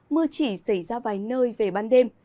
mưa chỉ xảy ra vài nơi về ban đêm